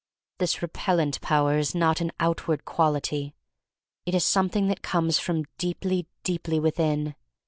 This repellent power is not an out ward quality. It is something that comes from deeply, deeply within.